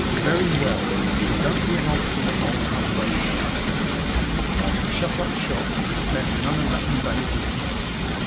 'Very well. Then don't be an obstinate old humbug in the outset, Tom, or I shall shut up shop and dispense none of that invaluable commodity.